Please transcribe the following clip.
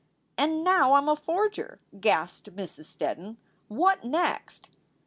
"And now I m a forger!" gasped Mrs. Steddoii. "What next?"